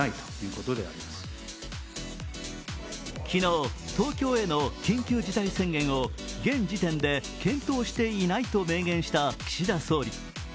昨日、東京への緊急事態宣言を現時点で検討していないと明言した岸田総理。